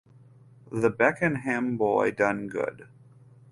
The Beckenham boy done good.